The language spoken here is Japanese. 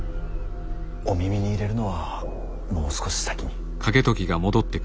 お耳に入れるのはもう少し先に。